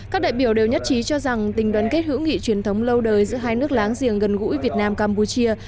các đại biểu đều nhất trí cho rằng tình đoàn kết hữu nghị truyền thống lâu đời giữa hai nước láng giềng gần gũi việt nam campuchia